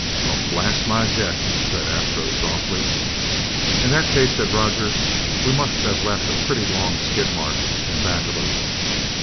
"Well, blast my jets!" said Astro softly. "In that case," said Roger, "we must have left a pretty long skid mark in back of us!"